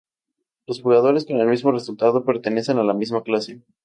Los jugadores con el mismo resultado pertenecen a la misma clase.